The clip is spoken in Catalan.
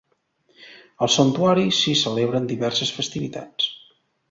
Al Santuari s'hi celebren diverses festivitats.